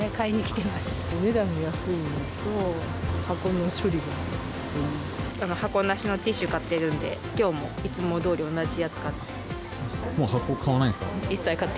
お値段が安いのと、箱の処理箱なしのティッシュ買ってるんで、きょうもいつもどおり、同じやつ買って。